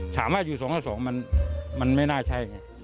ถามว่าอยู่สองด้วยสองมันไม่น่าใช่